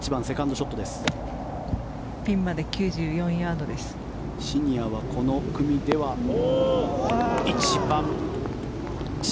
シニアはこの組では一番下。